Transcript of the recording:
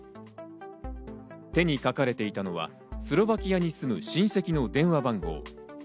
手に書かれていたのはスロバキアに住む親戚の電話番号。